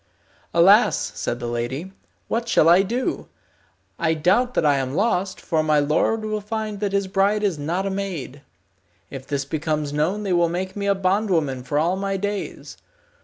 "Alas!" said the lady, "what shall I do? I doubt that I am lost, for my lord will find that his bride is not a maid. If this becomes known they will make me a bondwoman for all my days.